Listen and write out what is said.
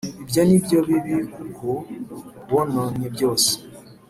ibyo ni byo bibi kuko wononnye byose.